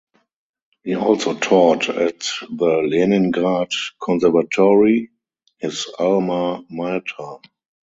He also taught at the Leningrad Conservatory, his alma mater.